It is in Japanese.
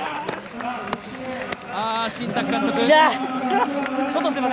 新宅監督。